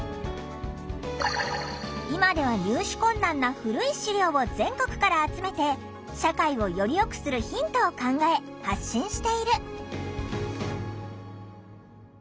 今では入手困難な古い資料を全国から集めて社会をよりよくするヒントを考え発信している。